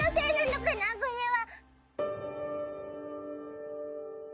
これは。